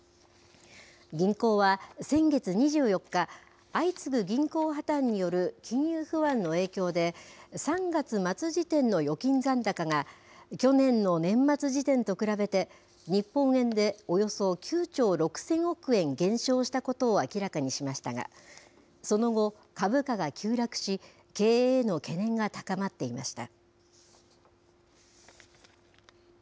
銀行は先月２４日、相次ぐ銀行破綻による金融不安の影響で、３月末時点の預金残高が、去年の年末時点と比べて、日本円でおよそ９兆６０００億円減少したことを明らかにしましたが、その後、株価が急落し、経営への懸念が高まっていました。